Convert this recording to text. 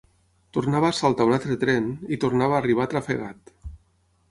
Tornava a saltar a un altre tren, i tornava a arribar atrafegat